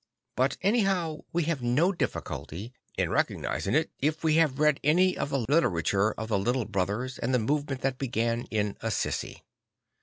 But anyhow w.e have no difficulty in recognising it, if we have read any of the literature of the Little Brothers and the movement that began in Assisi.